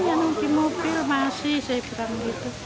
yang nanti mobil masih sedang gitu